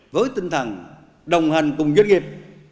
với tinh thần đồng hành cùng doanh nghiệp